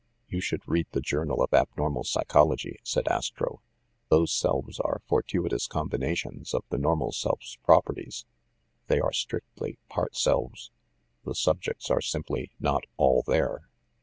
"You should read The Journal of Abnormal Psy chology" said Astro. "Those selves are fortuitous combinations of the normal self's properties ; they are, strictly, part selves. The subjects are simply not 'all there'."